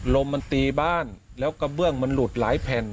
ลมมันตีบ้านแล้วกระเบื้องมันหลุดหลายแผ่น